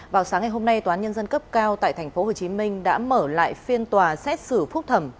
vào sáng ngày hôm nay tòa án nhân dân cấp cao tại tp hcm đã mở lại phiên tòa xét xử phúc thẩm